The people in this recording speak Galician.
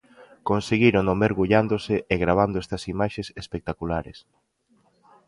Conseguírono mergullándose e gravando estas imaxes espectaculares.